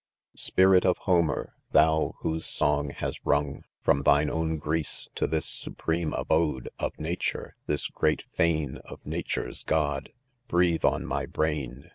Spirit of Homer ! thou whose song has rung From thine owe Greece to this supreme specie .; Of Nature* — this . gte'at fane. of Nature 3 s God— Breathe on my brain